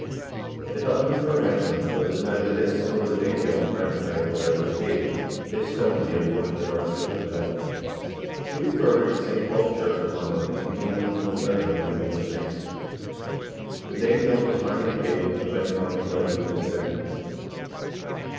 They held him for a ransom, but as neither this, nor the Danegeld granted by ^Ethelred, was paid, they stoned the unfortunate archbishop to death. He was buried in St. Paul's church at London, and became one of the most venerated of English saints. The Danegeld was finally paid, and the Viking army gradually disbanded.